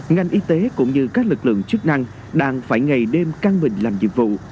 ngành y tế cũng như các lực lượng chức năng đang phải ngày đêm căng bình làm việc